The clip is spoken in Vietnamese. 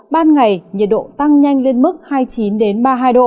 ban ngày nhiệt độ tăng nhanh lên mức hai mươi chín ba mươi hai độ